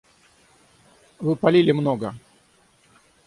Вы палили много!